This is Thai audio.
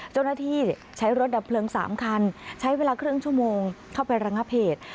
เจ้าหน้าที่ใช้รถดับเพลิง๓คันใช้เวลาครึ่งชั่วโมงเข้าไประงับเหตุ